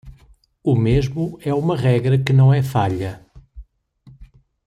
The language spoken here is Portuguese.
O mesmo é uma regra que não é falha.